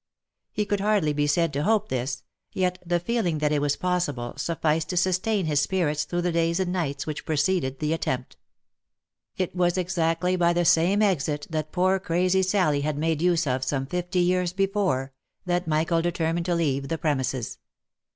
He could hardly be said to hope this, yet the feeling that it was possible sufficed to sustain his spirits through the days and nights which preceded the attempt. It was exactly by the same exit that poor crazy Sally had made use of some fifty years before, that Michael determined to leave the pre mises.